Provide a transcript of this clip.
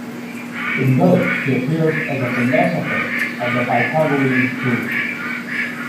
In both, he appears as a philosopher of the Pythagorean school.